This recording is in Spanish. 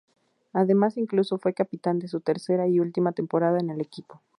Además incluso fue capitán en su tercera y última temporada en el equipo.